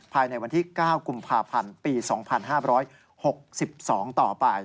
ภายในวันที่๙กุมภาพันธ์ปี๒๕๖๒ต่อไป